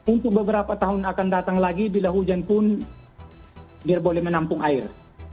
untuk beberapa tahun akan datang lagi bila hujan pun biar boleh menampung air